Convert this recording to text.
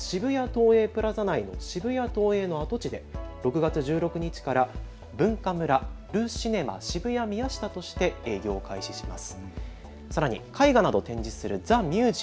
さらに映画館のル・シネマ、こちらは渋谷東映プラザ内の渋谷ＴＯＥＩの跡地で６月１６日からＢｕｎｋａｍｕｒａル・シネマ渋谷宮下として営業を開始します。